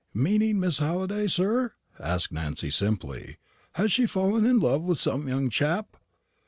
"Meaning Miss Halliday, sir?" asked Nancy, simply. "Has she fallen in love with some young chap?"